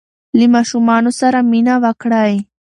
له ماشومانو سره مینه وکړئ.